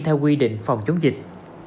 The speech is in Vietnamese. theo quy định phòng chống dịch